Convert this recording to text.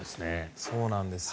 そうなんですよ。